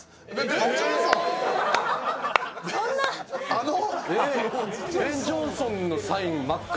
あの？